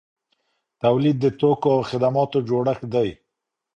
تولید د توکو او خدماتو جوړښت دی.